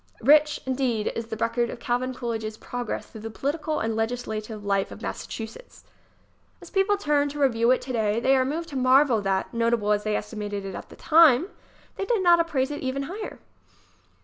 Rich, indeed, is the record of Calvin Coolidge's progress through the political and legislative life of Massachusetts. As people turn to review it today they are moved to marvel that, notable as they esti mated it at the time, they did not appraise it even higher.